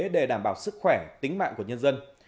để đảm bảo sức khỏe tính mạng của nhân dân